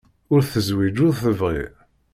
Ur tezwiǧ ur tebri.